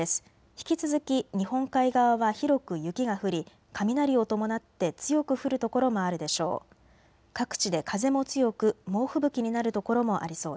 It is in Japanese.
引き続き日本海側は広く雪が降り雷を伴って強く降る所もあるでしょう。